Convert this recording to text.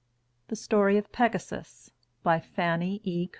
The Story of Pegasus FANNY E.